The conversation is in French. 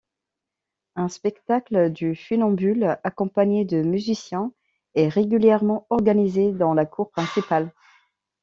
Un spectacle de funambules, accompagné de musiciens, est régulièrement organisé dans la cour principale.